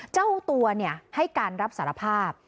เจ้าตัวให้การรับสารภาพ